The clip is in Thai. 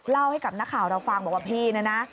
เล่าให้กับนักข่าวเราฟังบอกว่าพี่นะนะ